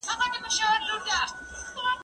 زه ليک نه لولم!؟